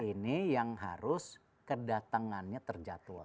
ini yang harus kedatangannya terjatuh